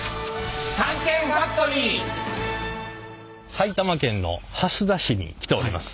埼玉県の蓮田市に来ております。